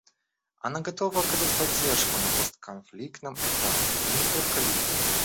Она готова оказать поддержку на постконфликтном этапе, и не только Ливии.